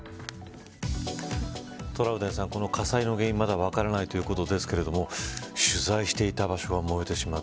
トラウデンさん、この火災の原因、まだ分からないということですけれども取材していた場所が燃えてしまった。